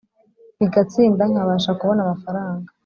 bigatsinda nkabasha kubona amafaranga